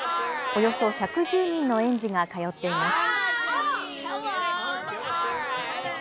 およそ１１０人の園児が通っています。